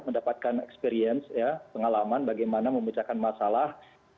mendapatkan experience pengalaman bagaimana memecahkan masalah